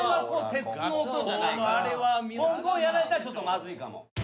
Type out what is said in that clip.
コンコンやられたらちょっとまずいかも。